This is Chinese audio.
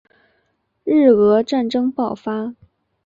日俄战争爆发